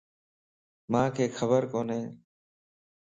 مانک خبر ڪوني